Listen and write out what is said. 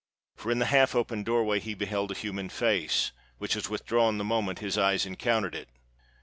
For in the half open door way he beheld a human face, which was withdrawn the moment his eyes encountered it.